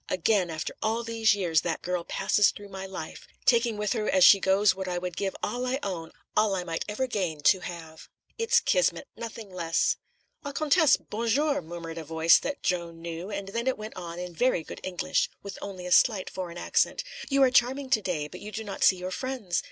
Again, after all these years, that girl passes through my life, taking with her as she goes what I would give all I own, all I might ever gain, to have. It's Kismet nothing less." "Ah, Comtesse, bon jour!" murmured a voice that Joan knew, and then it went on in very good English, with only a slight foreign accent: "You are charming to day, but you do not see your friends.